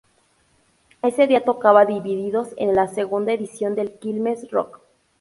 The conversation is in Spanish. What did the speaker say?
Ese día tocaba Divididos en la segunda edición del Quilmes Rock.